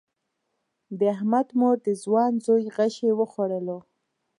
د احمد مور د ځوان زوی غشی وخوړلو.